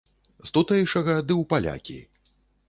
З тутэйшага ды у палякі!